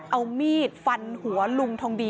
เอามีดฟันหัวลุงทองดี